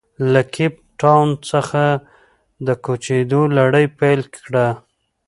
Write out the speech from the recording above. له کیپ ټاون څخه د کوچېدو لړۍ پیل کړه.